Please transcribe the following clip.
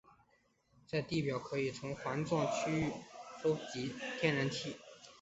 在地表可以从环状区域收集天然气。